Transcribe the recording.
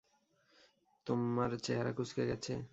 তোমমার চেহারা কুচঁকে গেছে?